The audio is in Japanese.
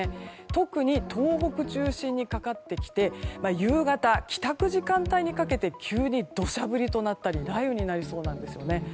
特に東北中心にかかってきて夕方、帰宅時間帯にかけて急に土砂降りとなったり雷雨になりそうなんですよね。